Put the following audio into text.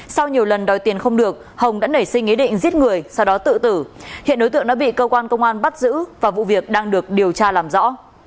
sau nhiều lần đòi tiền không được hồng đã nảy sinh ý định giết người sau đó tự tử hiện đối tượng đã bị cơ quan công an bắt giữ và vụ việc đang được điều tra làm rõ